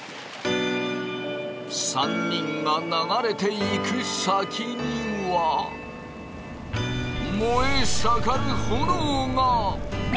３人が流れていく先には燃え盛る炎が！